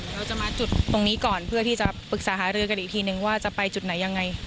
เราจะมาจุดตรงนี้ก่อนเพื่อที่จะปรึกษาหารือกันอีกทีนึงว่าจะไปจุดไหนยังไง